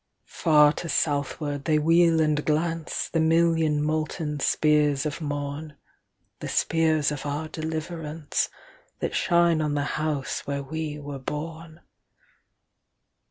Far to Southward they wheel and glance, The million molten spears of morn—The spears of our deliveranceThat shine on the house where we were born.